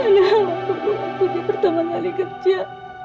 ayah waktu dia pertama kali kerja